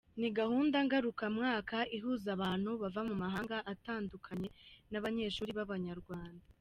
Ni gahunda ngaruka mwaka ihuza abantu bava mu mahanga atandukanye n’abanyeshuli b’abanyarwanda.